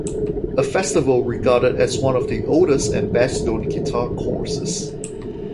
A festival regarded as one of the oldest and best known guitar courses.